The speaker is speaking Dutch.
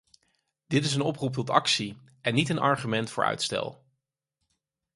Het is een oproep tot actie en niet een argument voor uitstel.